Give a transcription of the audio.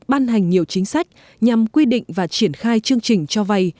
ban hành nhiều chính sách nhằm quy định và triển khai chương trình cho vay